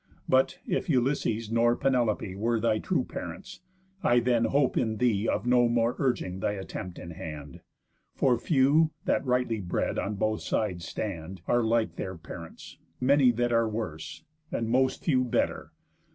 But, if Ulysses nor Penelope Were thy true parents, I then hope in thee Of no more urging thy attempt in hand; For few, that rightly bred on both sides stand, Are like their parents, many that are worse, And most few better.